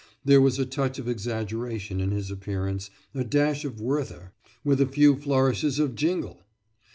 There was a touch of exaggeration in his appearance, a dash of Werther, with a few flourishes of Jingle!